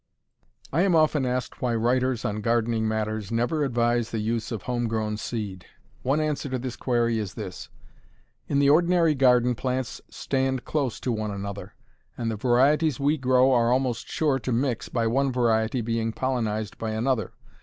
I am often asked why writers on gardening matters never advise the use of home grown seed. One answer to this query is this: In the ordinary garden plants stand close to one another, and the varieties we grow are almost sure to mix, by one variety being pollenized by another.